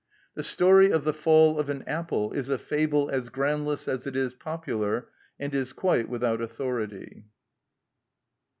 The story of the fall of an apple is a fable as groundless as it is popular, and is quite without authority.